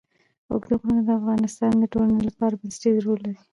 اوږده غرونه د افغانستان د ټولنې لپاره بنسټيز رول لري.